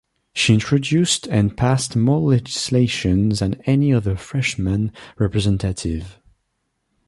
She introduced and passed more legislation than any other freshman representative.